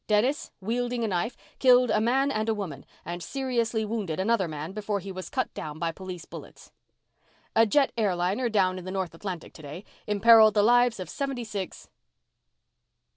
Dennis, wielding a knife, killed a man and a woman, and seriously wounded another man before he was cut down by police bullets. "A jet airliner, down in the North Atlantic today, imperiled the lives of seventy six